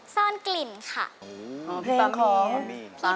ซ่อนกลิ่นค่ะ